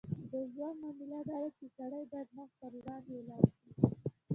د ژوند معامله داده چې سړی باید مخ پر وړاندې ولاړ شي.